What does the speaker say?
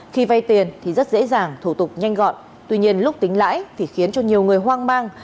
khi vay tiền thì rất dễ dàng thủ tục nhanh gọn tuy nhiên lúc tính lãi thì khiến cho nhiều người hoang mang